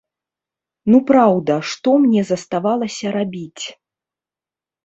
Ну праўда, што мне заставалася рабіць?